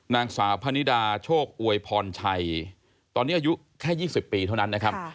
นางสาวพนิดาโชคอวยพรชัยตอนนี้อายุแค่๒๐ปีเท่านั้นนะครับ